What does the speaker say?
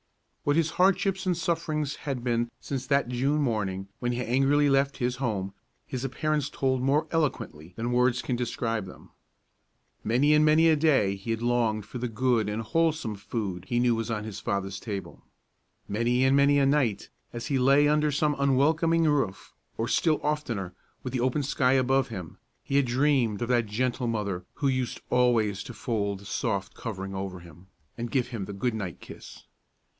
What his hardships and sufferings had been since that June morning when he angrily left his home, his appearance told more eloquently than words can describe them. Many and many a day he had longed for the good and wholesome food he knew was on his father's table. Many and many a night, as he lay under some unwelcoming roof, or still oftener with the open sky above him, he had dreamed of that gentle mother who used always to fold the soft covering over him, and give him the good night kiss.